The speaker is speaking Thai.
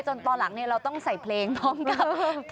ตอนหลังเราต้องใส่เพลงพร้อมกัน